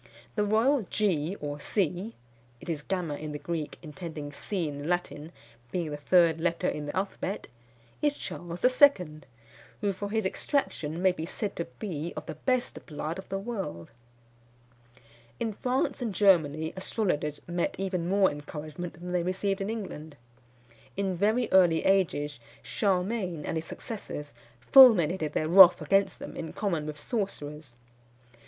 The royal G or C [it is gamma in the Greek, intending C in the Latin, being the third letter in the alphabet] is Charles II., who for his extraction may be said to be of the best blood of the world._" In France and Germany astrologers met even more encouragement than they received in England. In very early ages Charlemagne and his successors fulminated their wrath against them in common with sorcerers.